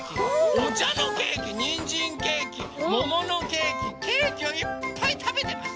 おちゃのケーキにんじんケーキもものケーキケーキをいっぱいたべてます。